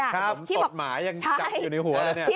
ผมตดหมายังจับอยู่ในหัวเลยเนี่ย